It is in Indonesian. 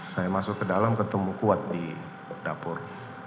saya masuk ke dalam ketemu kuat di dapur